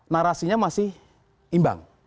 narasinya masih imbang